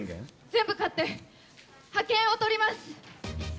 全部かって、はけんを取ります。